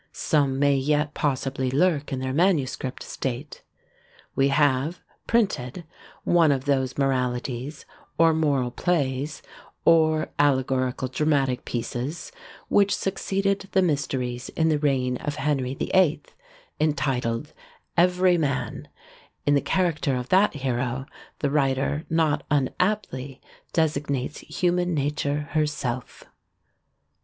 Some may yet possibly lurk in their manuscript state. We have, printed, one of those Moralities, or moral plays, or allegorical dramatic pieces, which succeeded the Mysteries in the reign of Henry the Eighth, entitled "Every Man:" in the character of that hero, the writer not unaptly designates Human Nature herself.